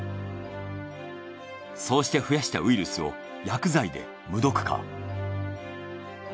そうして増やしたウイルスを薬剤で無毒化。